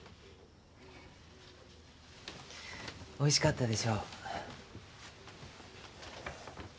おいしかったでしょう？